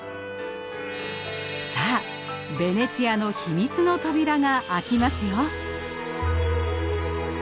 さあベネチアの秘密の扉が開きますよ。